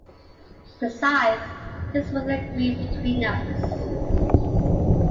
Besides, this was agreed between us.